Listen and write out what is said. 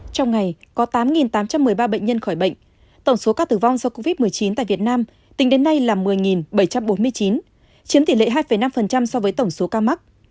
trong ngày có tám tám trăm một mươi ba bệnh nhân khỏi bệnh tổng số ca tử vong do covid một mươi chín tại việt nam tính đến nay là một mươi bảy trăm bốn mươi chín chiếm tỷ lệ hai năm so với tổng số ca mắc